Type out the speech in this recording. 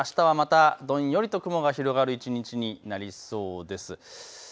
ただ、またどんよりと雲が広がる一日になりそうです。